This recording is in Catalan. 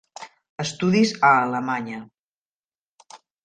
estudis a Alemanya.